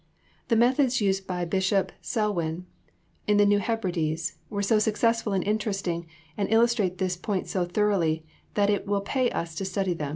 The methods used by Bishop Selwyn in the New Hebrides were so successful and interesting and illustrate this point so thoroughly that it will pay us to study them.